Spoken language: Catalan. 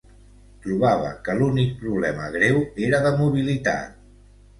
Trobava que l'únic problema greu era de mobilitat.